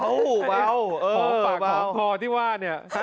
ขอบปากขอบคอที่ว่าเนี่ย